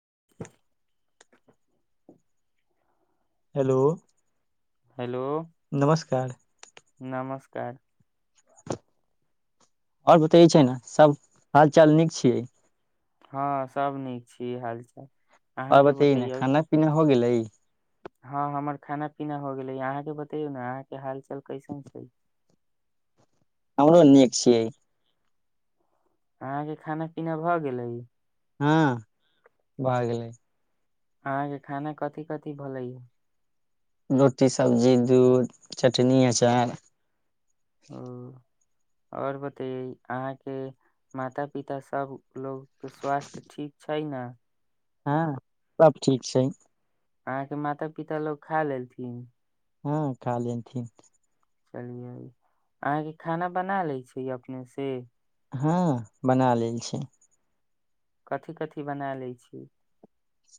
[inaudible] hello hello नमस्कार ्तर आओर बत ई छै ने सभ हाल चाल नीक छियै हँ सब नीक छी ई हालचाल आओर बताई ने खाना पीना हो गेलै हँ हमर खाना पीना हो गेलै अहाँके बतेयौ ने अहाँके हाल चाल कैसन छै हमरो नीक छियै अहाँके खाना पीना भऽ गेलै हँ भऽ गेलै अहाँके खाना कथि कथि भलै रोटी सब्जी दूध चटनी अचार ओ आओर बतैै अहाँके माता पिताभ लोकके स्वास्थ्य ठीक छै ने हँ सभ ठीक छै अहाँके माता पिता लोग खा लेलथिन हँ खाली अथि चलियै अहाँके खाना बना लै छी अपने से हँ बना लेल छी कथी कथी बना लै छी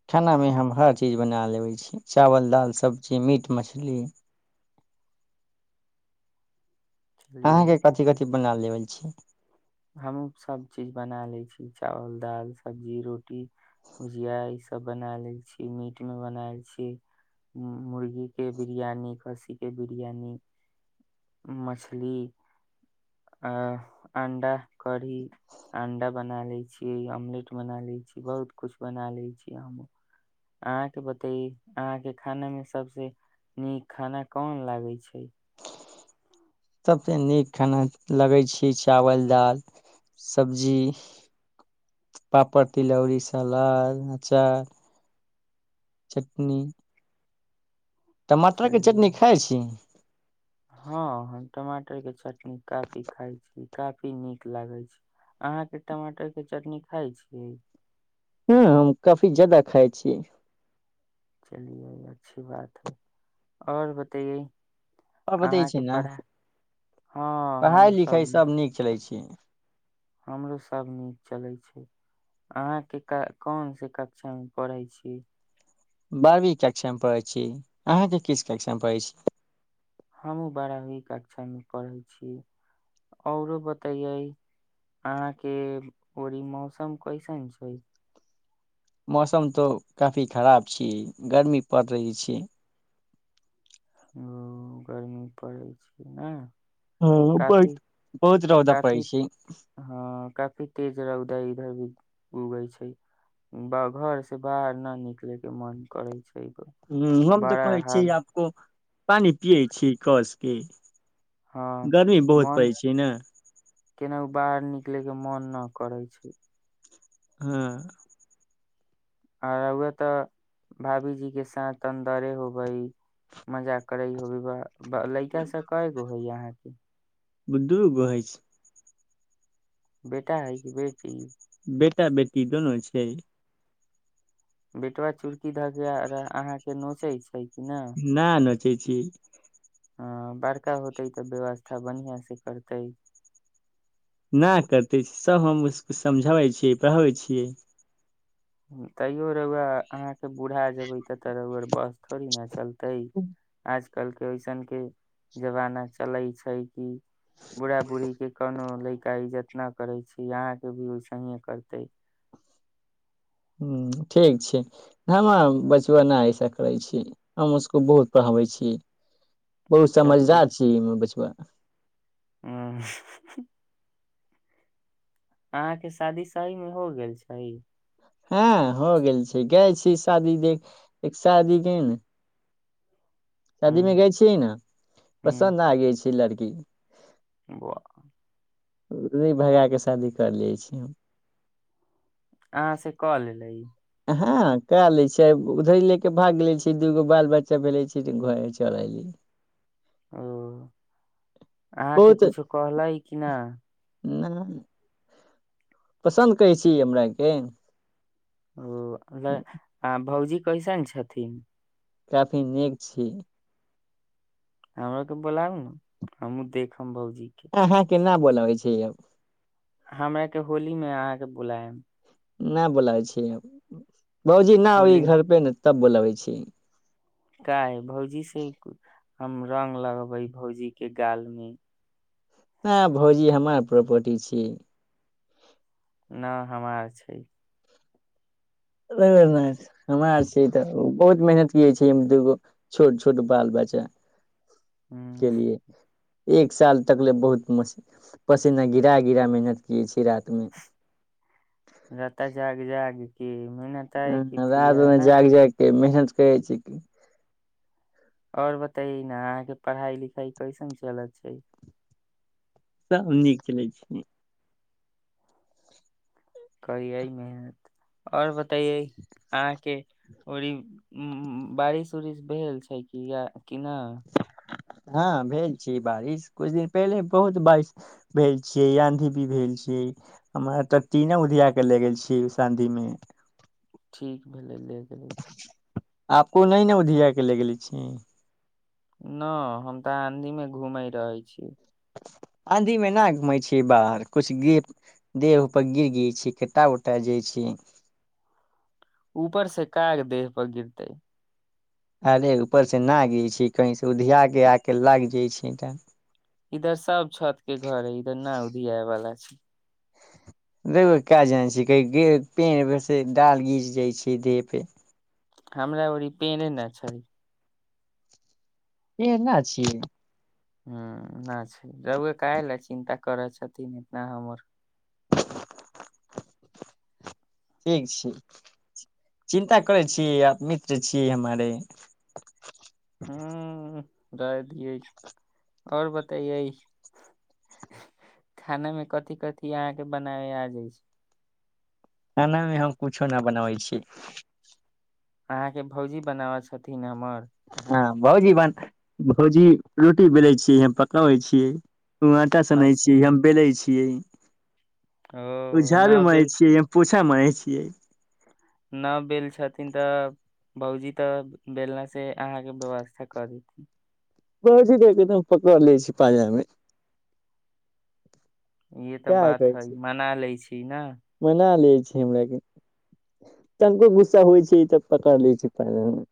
खाना मे हम हर चीज बना लेबै छी चावल दाल सबजी मीट मछली आहाँ चलियै क कथी कथी बना लेबै छी हमहूँ सभ चीज बना लै छी चावल दाल सब्जी रोटी भुजिया इसभ बना लै छी मीटमे बना लै छीयै मुर्गीके बिरियानी खस्सीके बिरियानी मछली आ अंडा कढ़ी अण्डा बना ले छियै ऑमलेट बना ले छी बहुत कुछ बना ले छिये हमहु अहाँ के बतये अहाँ के खाना मे सबसे नीक खाना कोन लागे छै सभसँ नीक खाना लगै छी चावल दाल सब्जी पापड़ तिलौरी सलाद अचार चटनी टमाटर के चलिये चटनी खाइ छी हँ हम टमाटर के चटनी काफी खााय छी काफी नीक लागे छै अहाँ के टमाटर के चटनी खाय छिये हँ हम काफी जादा खाइ छिये चलिये अच्छी बात हइ आओर बतैये आ बतै छी न हँ पढ़ाई हम सब लिखाइ सभ नीक चलै छै की हमरो सभ नीक चलै छै अहाँके क कोनसँ कक्षामे पढ़ै छी बारहवी कक्षा पढ़ै छी अहाँके किस कक्षा पढ़ै छी हमहु बारहवी कक्षामे पढ़ै छिये आउरो बतैयै अहाँके ओड़ी मौसम कैसन छै मौसम तो काफी खराब छिये गर्मी पड़ रहै छै ओ गर्मी परैय छै न हँ बहु बहुत रौदा काफी परै छै हँ काफी तेज रौदा इधर भी उगे छै घर से बाहर न निकले के मन करे छै ब- हु हम तऽ बड़ा कहै छी हाल आपको पानि पियै छी कसके हँ गर्मी बहुत मन पड़ै छै न केनाहु बाहर निकले के मन न करै छै हँ आ रौआ तऽ भाभीजी के साथ अन्दरे होबै मजा करे होबे लइका सब कयगो होय अहाँके [unintelligible] बुधुरो बहइ छै बेटा हइ कि बेटी बेटा बेटी दुनू छै बेटुआ चुड़की धके अहाँके नोचै छै न ना नचै छी ह अ बड़का होतै तऽ व्यवस्था बढ़िआँ सँ करतै ना करतै सभ हम उस समझाबै छियै पढ़बैत छियै तैयो रऊवा अहाँके बुढ़ा जेबै त त बस थोड़ी ने चलत तै आज कलके ऐसन के जमाना चले छै कि बूढ़ा बूढ़ी के कोनो लैका इज्जत न करै छी यहाँ के भी ओसेहिे करते ह ठीक छै हम बचबआ नहि ऐसा करै छी हम उसको बहुत पढ़ाबै छी बहुत समझदार छीमे बचपन ह अहाँके शादी सही मे हो गेल छै हँ हो गेल छै गए शादी देख एक शादी के ने शादी हूँ में गाय छीही ने पसन्द आगे छै लड़की आोआ नहि भगा कऽ शादी कर लै छी हम अहाँ से कऽ लेलै हँ कए लै छियै उधर लऽ कऽ भाग लै छियै दू गो बाल बच्चा भेलै छैऽ घर चल अयली ओ अहाँके किछो कहलै कि नहि नहि पसन्द करै छी हमराके नहीं आ भौजी कैइसन छथिन काफी नीक छी हमरा के बोलब ने हमू देखम बत अहाँ के नाम बोलाबै छी हमराक के होली मे अहाँके बुलायम नहि बोलाबै छिय भौजी ना ओहि होली घर पे ने तब बोलाबै छी क भौजी से हम रंग लगेबै भौजी के गाल मे ह भौजी हमर प्रॉपर्टी छी नहि हम छै रवरनाथ हमरा आर छै तऽ बहुत मेहनत कै छै दूगो छोट छोट बाल बच्चा ह्म के लिए एक साल तक ले बहुत म पसीना गिरा गिरा मेहनत किये छी रात मे रता जग जाग के मिनताय ह किथिया रातमे ना जाग जागके मेहनत क छै की आओर बतैए ने अहाँके पढ़ाइ लिखाई कैसन चलत छै सभ नीक चलै छै करियै मेहनत आओर बतैयै अहाँके ओड़ बारिश उरिश भेल छै कि या कि नहि हँ भेल छी बारिश कुछ दिन पहिले बहुत बारिश भेल छियै आँधी भी भेल छीै हम तऽ तीनो उधिय के ले गेल छीै आधी मे ठीक भ ल ले गेलैत आपो नइ न उधिया के ले गेले छी न हम तऽ आंधी मे घूमै रहे छी आँधी मे न घूमै छी बाहर किछ ग देहप गिर ग छी कटा उटा जाइ छी ऊपर से काग देह पर गिरते अरे ऊपरसँ ना गय छी कहीसँ उधियाके आके लागि जाइत छी तऽ इधर सब छत के घर है इधर ना उधीयाए वाला छै रै कए जानै छै कहीे पेड़ बेरसँ डाल गीर जाइ छै देह पे हमरा ओरी पेड़े न छै ए ना छी हु ना छै रौआ कहे ल चिन्ता करै छथिन इतना हमर ठीक छी चिन्ता करै छी आ मित्र छी हमारे [inaudible] रह दियै आओर बतैयै खाना मे कथि कथि अहाँके बनावे आ जाय छै खानामे हम कुछो ना बनबै छिये अहाँके भौजी बनाबै छथिन हमर हँ भौजी बन भौजी रोटी बेलै छियै हम पकबैै छियै ओ आटा सनैत छी अच्छा हम बेलै छी छियै ओ न झड़ू मारै बेल छिये पोछा पोछा मारय छियै न बेल छथिन तऽ भौजी तऽ बेलना से अहाँके व्यवस्था कऽ देत भैजी देखि तऽ हम पकड़ लै छी पाजामे ईह तऽ बात हइ मना लै छी न छै हमरा के तनिको गुस्सा होइ छै तऽ पकड़ लै छै पाजा मे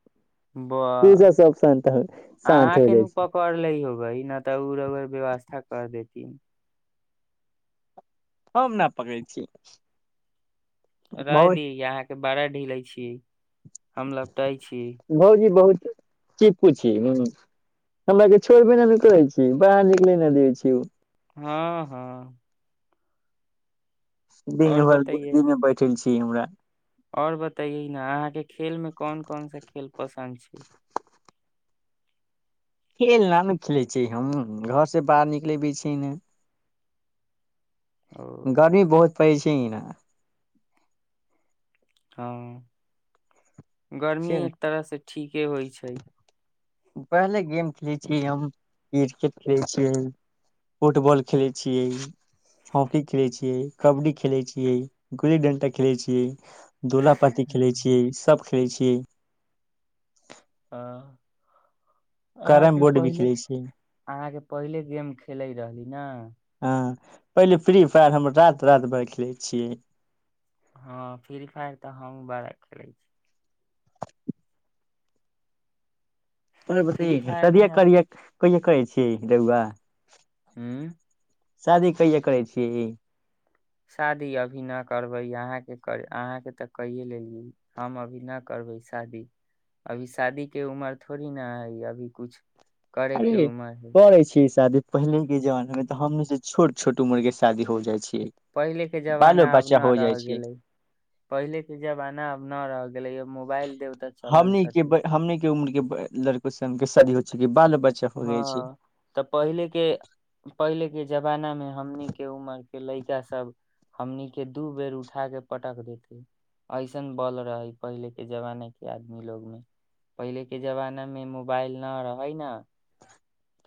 ब गुस्सा सब शान्त हो शान्त अहाँ हो के नू जाइ छै पकड़ ले होबे न तऽ उ रौआ व्यवस्था कर देती हम न पकड़ै छी भौ रहे दी अहाँके बड़ा ढीले छियै हम लपटाइ छी की पुछी हमरा के छोड़बे न नू करै छी बाहर निकले न देबै छी उ हँ हँ दिन और भर बतैयै दिन मे बैठल छी ी हमरा [inaudible] और बताैये ने अहाँके खेल में कोन कोन सा खेल पसन्द छै खेल नहि ने खेलैत छ हम घरसँ बाहर निकलेबै छीियै ने ओ गर्मी बहुत पैड़ छै ने हँ गर्मी खेल एक तरहसँ ठीके होइ छै पहिले गेम खेलैत छियै हम क्रिकेट खेलैत छियै फुटबॉल खेलैत छियै हॉकी खेलैत छियै कबड्डी खेलैत छियै गुल्ली डण्टा खेलैत छियै दोला पाती खेलै छियै सब खेलै छियै आँ अहाँके कैरम बोर्ड भी पहिले खेलै छियै अहाँके पहिले गेम खेलैत रहली ने हँ पहिले फ्री फायर हम रति रति भर खेलै छियै हँ फ्री फायर तऽ हम बड़ा खेलै छी त ब फ्री फायर सदए मे करिय कहिा करै छियै रेउआ हूँ शादी कहिे करै छीयै शादी अभी न करबै अहाँके कर अहाँके तऽ कहिए लेलियै हम अभी न करबै शादी अभी शादीके उमर थोड़ी न हइ अभी कछु अरे करै छी शादी पहिले के जमाना मे तऽ हममे से छोट छोट उम्र के शादी हो जाइ छै पहिले के जमाना आब न र छै गेले पहिले के जमाना आब न रह गेल गेलै मोबाइल देवता चलल हमनी के छथिन ब- हमनी के उम्र के लड़को से शादी होइ छै बालो बच्चा हो जाइ छै हँ तऽ पहिले के पहिले आके जमाना मे हमनीके उमर के लड़का सब हमने दू बेर उठा के पटक देते ऐसन बल रहै पहिलेके जमाना के आदमी लोग मे पहिलेके जमाना मे मोबाइल न रहै न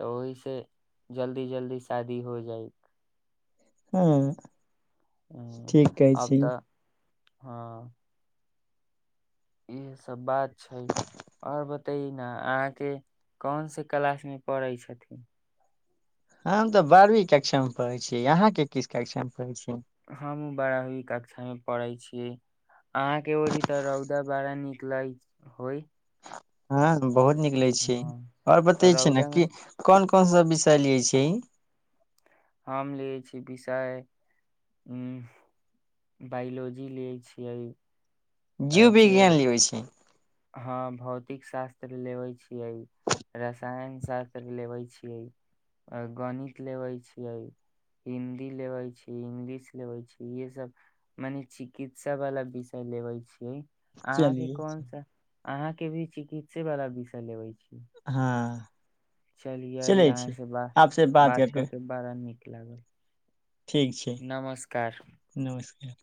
तऽ ओहिसँ जल्दी जल्दी शादी हो जाइ हुँ ठीक कहै आब छी तऽ हँ इएहसभ बात छै आओर बतै ने अहाँके कोनस क्लासमे पढ़ै छथिन हम तऽ बारहवीं कक्षा मे पढ़ै छीयै यहाँके किस कक्षा मे पढ़ै छी हमू बड़ा ही कक्षा मे पढ़ै छी के अहाँ के ओड़ी तऽ रौदा बाड़ा निकल होई हँ बहुत निकलै छै हँ आओर तऽ बतेय छी रौदा मे न कोन कोन सब बिषय लिये छै हम ल छीयै विषय उ बायोलॉजी लियै छियै जीव अ, फेर विज्ञान लिय छै हँ भौतिक शास्त्र लेवे छीये रसायन शास्त्र लेवे छीये गणित लेवे छीये हिन्दी लेवे छी इंगलिश लेवे छीय इे सब मने चिकित्सा वाला विषय लेवे छीयै अहाँ कें चलियै कोन अहाँ के भी चिकित्से वालला विषय लेवे छी हँ चलियए चलै यहाँ छै से ब आपसे बात करके बारा नीक लागल ठीक छै नमस्कार नमस्कार